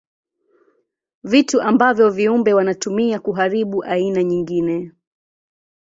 Vitu ambavyo viumbe wanatumia kuharibu aina nyingine.